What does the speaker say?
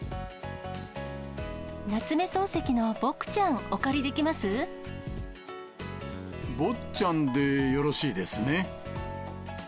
夏目漱石の僕ちゃん、坊ちゃんでよろしいですね。